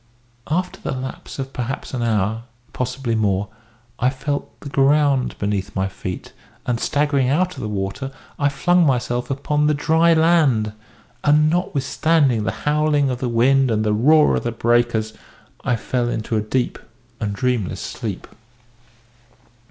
After the lapse of perhaps an hour, possibly more, I felt the ground beneath my feet, and staggering out of the water, I flung myself upon the dry land, and, notwithstanding the howling of the wind and the roar of the breakers, I fell into a deep and dreamless sleep.